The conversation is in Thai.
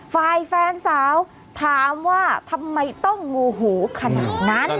ฝ่ายแฟนสาวถามว่าทำไมต้องโงหูขนาดนั้น